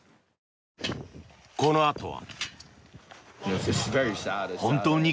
このあとは。